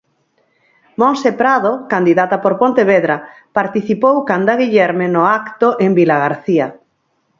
Montse Prado, candidata por Pontevedra, participou canda Guillerme no acto en Vilagarcía.